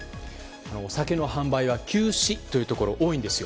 お酒の販売が休止というところ多いんですよ。